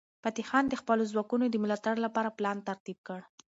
فتح خان د خپلو ځواکونو د ملاتړ لپاره پلان ترتیب کړ.